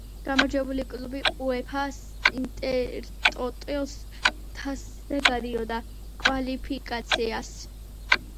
გამარჯვებული კლუბი, უეფა-ს ინტერტოტოს თასზე გადიოდა კვალიფიკაციას.